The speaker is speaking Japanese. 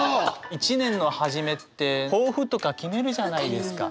一年の初めって抱負とか決めるじゃないですか。